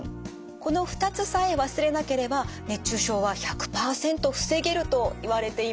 この２つさえ忘れなければ熱中症は１００％防げるといわれています。